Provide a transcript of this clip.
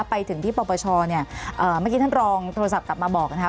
ไปถึงที่ปปชเนี่ยเมื่อกี้ท่านรองโทรศัพท์กลับมาบอกนะคะ